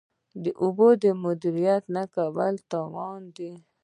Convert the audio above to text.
د اوبو مدیریت نه کول تاوان دی.